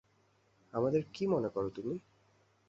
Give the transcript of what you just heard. আমাদের কী মনে করো তুমি?